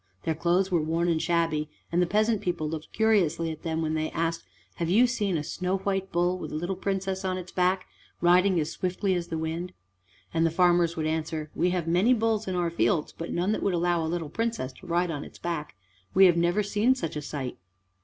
Their clothes were worn and shabby, and the peasant people looked curiously at them when they asked, "Have you seen a snow white bull with a little Princess on its back, riding as swiftly as the wind?" And the farmers would answer, "We have many bulls in our fields, but none that would allow a little Princess to ride on its back: we have never seen such a sight."